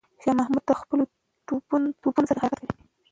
شاه محمود د خپلو توپونو سره حرکت کوي.